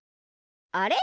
あれ？